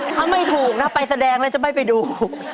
ถ้าไม่ถูกนะไปแสดงแล้วจะไม่ไปดู